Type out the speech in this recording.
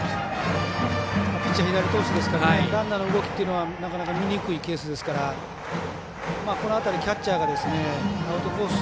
ピッチャー、左投手なのでランナーの動きというのはなかなか見にくいケースなのでこの辺り、キャッチャーがアウトコース